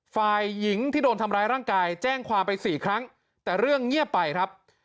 ฝ่ายหญิงที่โดนทำร้ายร่างกายแจ้งความไปสี่ครั้งแต่เรื่องเงียบไปครับ